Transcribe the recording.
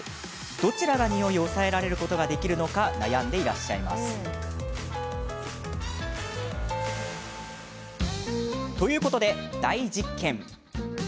どちらが、ニオイを抑えられることができるのか悩んでいらっしゃいます。ということで、大実験！